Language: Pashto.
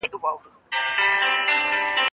زه به اوږده موده د کتابتوننۍ سره مرسته کړې وم!.